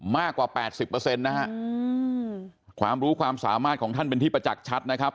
มากกว่า๘๐นะฮะความรู้ความสามารถของท่านเป็นที่ประจักษ์ชัดนะครับ